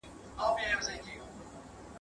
نن مي شیخ د میخانې پر لاري ولید !.